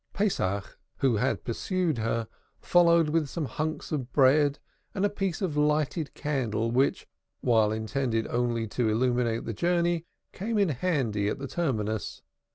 Pesach, who had pursued her, followed with some hunks of bread and a piece of lighted candle, which, while intended only to illumine the journey, came in handy at the terminus.